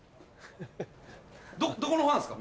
どこのファンっすか？